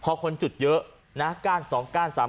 เพาะคนจุดเยอะนะและกล้าน๒สอง